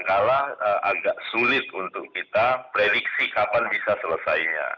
kalah agak sulit untuk kita prediksi kapan bisa selesainya